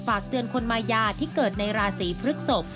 ฝากเตือนคนมายาที่เกิดในราศีพฤกษก